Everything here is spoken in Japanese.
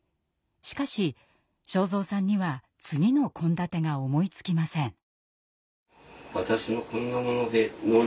しかし昭蔵さんには次の献立が思いつきません。